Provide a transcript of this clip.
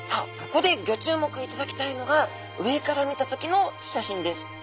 ここでギョ注目いただきたいのが上から見た時の写真です。